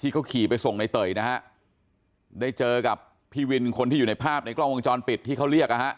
เขาขี่ไปส่งในเตยนะฮะได้เจอกับพี่วินคนที่อยู่ในภาพในกล้องวงจรปิดที่เขาเรียกนะฮะ